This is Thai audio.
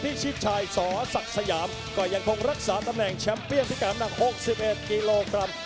พี่ชิปตรายสกสระสยามก็มงรักษาตำแหน่งแชมป์วิกราม๖๑กิโลกรัม